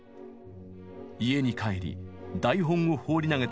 家に帰り台本を放り投げたヴェルディ。